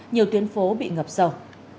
nhiều tuyến phố bị ngập sầu